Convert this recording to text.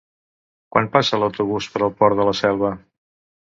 Quan passa l'autobús per el Port de la Selva?